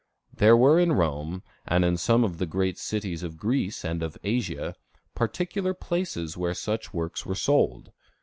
There were in Rome, and in some of the great cities of Greece and of Asia, particular places where such works were sold.